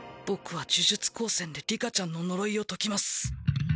僕は呪術高専で里香ちゃんの呪いを解きます。